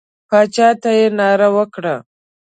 باچا ته یې ناره وکړه.